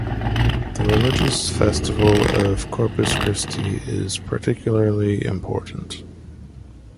The religious festival of Corpus Christi is particularly important.